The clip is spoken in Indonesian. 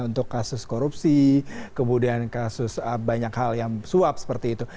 untuk kasus korupsi kemudian kasus banyak hal yang suap seperti itu